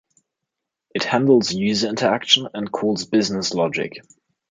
It handles user interaction, and calls business logic.